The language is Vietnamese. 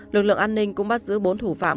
lực lượng an ninh cũng bắt giữ bốn thủ phạm